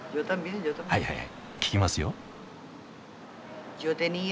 はいはいはい聞きますよ！